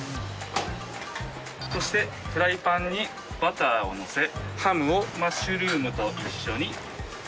そしてフライパンにバターをのせハムをマッシュルームと一緒に炒めます。